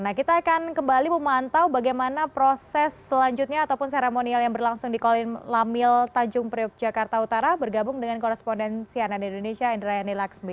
nah kita akan kembali memantau bagaimana proses selanjutnya ataupun seremonial yang berlangsung di kolin lamil tanjung priuk jakarta utara bergabung dengan korespondensi ann indonesia indrayani laksmi